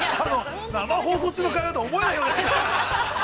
生放送中の会話とは思えないような。